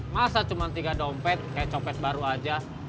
masa cuma tiga dompet kayak copet baru aja